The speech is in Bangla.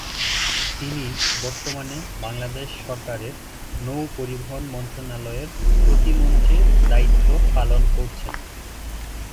তিনি বর্তমানে বাংলাদেশ সরকারের নৌ-পরিবহণ মন্ত্রণালয়ের প্রতিমন্ত্রীর দায়িত্ব পালন করছেন।